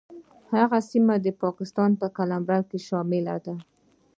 هغه سیمه د پاکستان په قلمرو کې شامله ده.